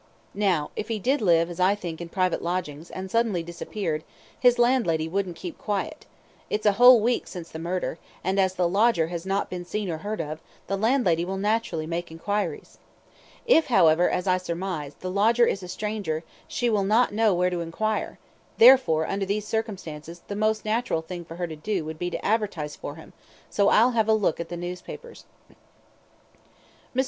Now, if he did live, as I think, in private lodgings, and suddenly disappeared, his landlady wouldn't keep quiet. It's a whole week since the murder, and as the lodger has not been seen or heard of, the landlady will naturally make enquiries. If, however, as I surmise, the lodger is a stranger, she will not know where to enquire; therefore, under these circumstances, the most natural thing for her to do would be to advertise for him, so I'll have a look at the newspapers." Mr.